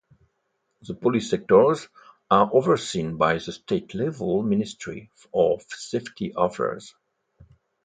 The police sectors are overseen by the state-level ministry of safety affairs.